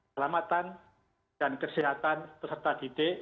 selamatan dan kesehatan peserta didik